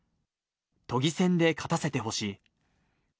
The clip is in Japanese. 都議選で勝たせてほしい。